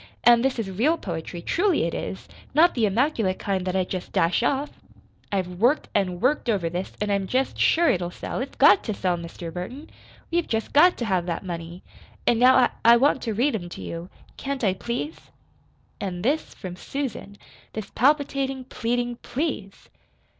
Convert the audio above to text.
An' this is REAL poetry truly it is! not the immaculate kind that I jest dash off! I've worked an' worked over this, an' I'm jest sure it'll sell, It's GOT to sell, Mr. Burton. We've jest got to have that money. An' now, I I want to read 'em to you. Can't I, please?" And this from Susan this palpitating, pleading "please"!